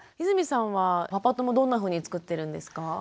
泉さんはパパ友どんなふうにつくってるんですか？